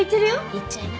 言っちゃいな。